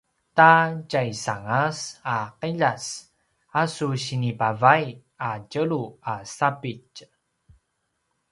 ta tjaisangas a qiljas a su sinipavay a tjelu a sapitj